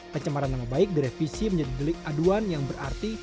pencemaran nama baik direvisi menjadi delik aduan yang berarti